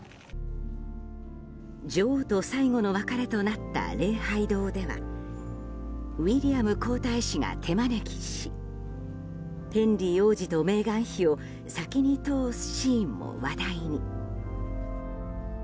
女王と最後の別れとなった礼拝堂ではウィリアム皇太子が手招きしヘンリー王子とメーガン妃を先に通すシーンも話題に。